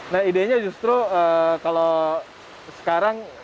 nah idenya justru kalau sekarang